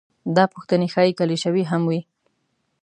دا پوښتنې ښايي کلیشوي هم وي.